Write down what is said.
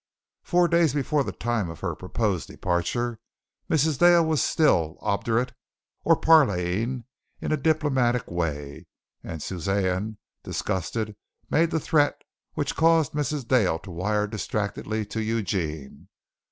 Four days before the time of her proposed departure, Mrs. Dale was still obdurate or parleying in a diplomatic way, and Suzanne, disgusted, made the threat which caused Mrs. Dale to wire distractedly to Eugene.